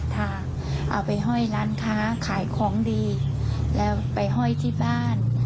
ขายของดีแล้วไปห้อยที่บ้าน